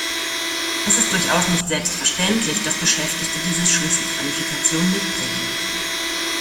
Es ist durchaus nicht selbstverständlich, dass Beschäftigte diese Schlüsselqualifikationen mitbringen.